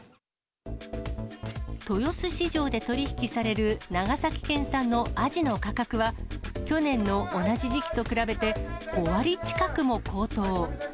豊洲市場で取り引きされる長崎県産のアジの価格は、去年の同じ時期と比べて、５割近くも高騰。